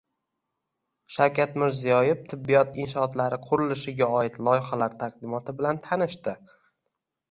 Shavkat Mirziyoyev tibbiyot inshootlari qurilishiga oid loyihalar taqdimoti bilan tanishdi